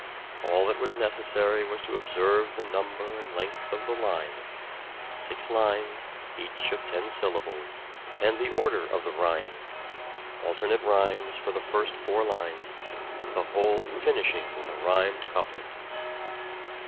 All that was necessary was to observe the number and length of the lines — six lines, each of ten syllables — and the order of the rhymes : alternate rhymes for the first four lines, the whole finishing with a rhymed couplet.